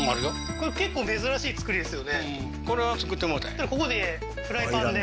これ結構珍しい造りですよね